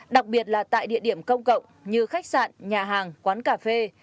đặc biệt là tại địa điểm công cộng như khách sạn nhà hàng quán cà phê